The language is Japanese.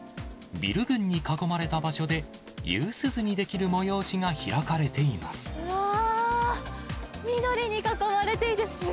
ビル群に囲まれた場所で、夕涼みできる催しが開かれています。